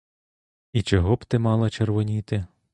І чого б ти мала червоніти?